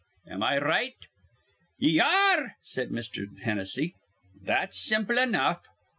Am I right?" "Ye ar re," said Mr. Hennessy. "That's simple enough.